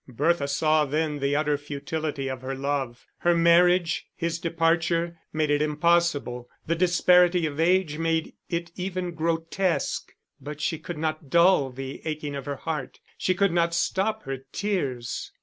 Bertha saw then the utter futility of her love: her marriage, his departure, made it impossible; the disparity of age made it even grotesque. But she could not dull the aching of her heart, she could not stop her tears.